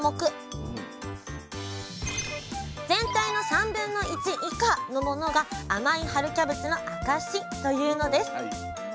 全体の1/3以下のものが甘い春キャベツの証しというのです！